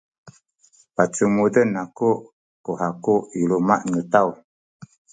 pacumuden aku ku haku i luma’ nu taw.